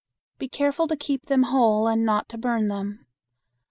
Be careful to keep them whole and not to burn them.